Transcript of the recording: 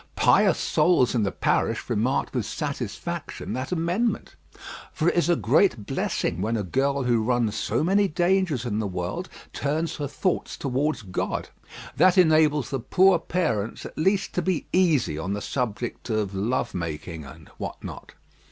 Pious souls in the parish remarked with satisfaction that amendment. For it is a great blessing when a girl who runs so many dangers in the world turns her thoughts towards God. That enables the poor parents at least to be easy on the subject of love making and what not.